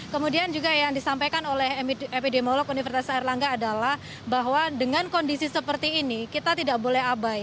kemudian juga yang disampaikan oleh epidemiolog universitas erlangga adalah bahwa dengan kondisi seperti ini kita tidak boleh abai